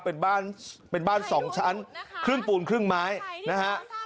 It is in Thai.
เป็นบ้านเป็นบ้าน๒ชั้นครึ่งปูนครึ่งไม้นะฮะ